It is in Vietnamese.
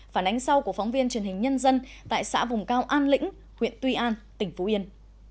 phản ánh sau của phóng viên truyền hình nhân dân tại xã vùng cao an lĩnh huyện tuy an tỉnh phú yên